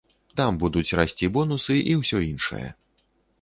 Там будуць расці бонусы і ўсё іншае.